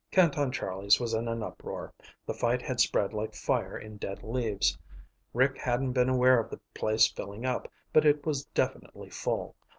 Canton Charlie's was in an uproar. The fight had spread like fire in dead leaves. Rick hadn't been aware of the place filling up, but it was definitely full.